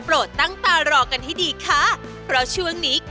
โรงพยาบาลพญาไทย๑